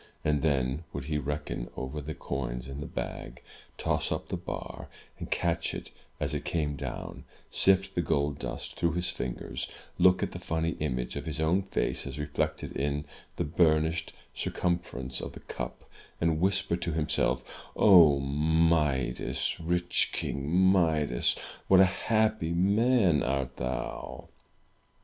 And then would he reckon over the coins in the bag; toss up the bar, and catch it as it came down; sift the gold dust through his fingers; look at the funny image of his own face, as reflected in the burnished circumference of the cup, and whisper to him self, "0 Midas, rich King Midas, what a happy man art thou!"